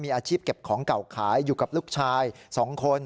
มีอาชีพเก็บของเก่าขายอยู่กับลูกชาย๒คน